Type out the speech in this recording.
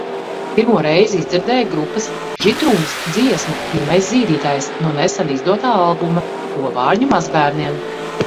Pirmo reizi izdzirdēju grupas "Židrūns" dziesmu "Pirmais zīdītājs" no nesen izdotā albuma "Kovārņu mazbērniem".